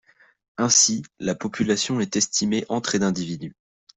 Ainsi, la population est estimée entre et d'individus.